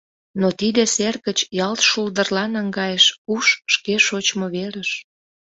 Но тиде сер гыч ялт шулдырла наҥгайыш уш шке шочмо верыш.